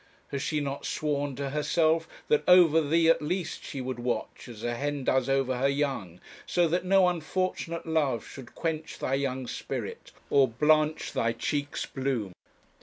Has she not sworn to herself that over thee at least she would watch as a hen does over her young, so that no unfortunate love should quench thy young spirit, or blanch thy cheek's bloom?